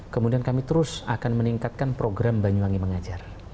kemudian kami terus akan meningkatkan program banyuwangi mengajar